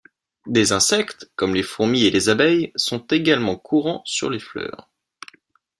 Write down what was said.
Des insectes comme les fourmis et les abeilles sont également courants sur les fleurs.